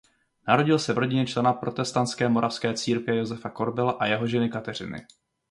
Narodil se v rodině člena protestantské Moravské církve Josefa Korbela a jeho ženy Kateřiny.